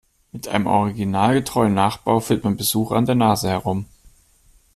Mit einem originalgetreuen Nachbau führt man Besucher an der Nase herum.